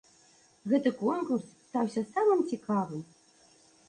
Гэты конкурс стаўся самым цікавым.